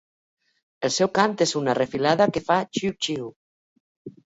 El seu cant és una refilada que fa "xiu xiu".